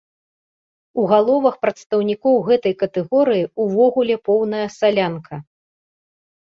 У галовах прадстаўнікоў гэтай катэгорыі ўвогуле поўная салянка.